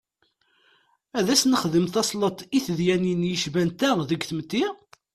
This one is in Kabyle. Ad as-nexdem tasleḍt i tedyanin yecban ta deg tmetti?